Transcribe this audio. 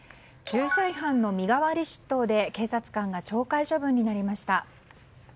駐車違反の身代わり出頭で警察官が懲戒処分になりました。